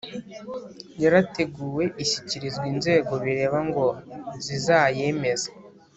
Yarateguwe ishyikirizwa inzego bireba ngo zizayemeze